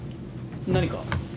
何か？